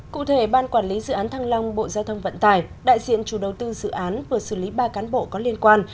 cụ thể ban quản lý dự án thăng long bộ giao thông vận tải đại diện chủ đầu tư dự án vừa xử lý ba cán bộ có liên quan